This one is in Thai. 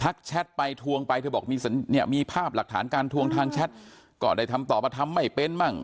ทักแชทไปทวงไปเธอบอกมีภาพหลักฐานการทวงทางแชทก็อให้ทำตอบแล้วทำไม่เป็นบ้าง